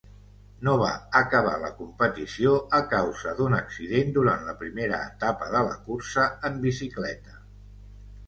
No va acabar la competició a causa d'un accident durant la primera etapa de la cursa en bicicleta.